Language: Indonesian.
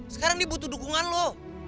sekarang dia butuh dukungan lo